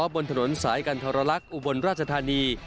บนถนนสายกันทรลักษณ์อุบลราชธานี